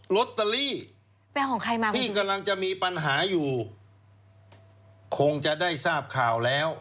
โรตเตอรี่ที่กำลังจะมีปัญหาอยู่คงจะได้ทราบข่าวแล้ว